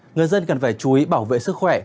người dân cần phải chú ý bảo vệ sức khỏe